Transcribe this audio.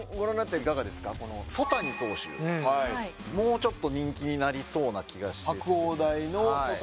曽谷投手、もうちょっと人気になりそうな気がしてて。